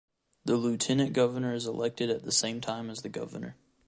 The lieutenant governor is elected at the same time as the governor.